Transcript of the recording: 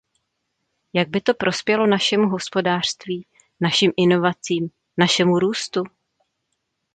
Jak by to prospělo našemu hospodářství, našim inovacím, našemu růstu?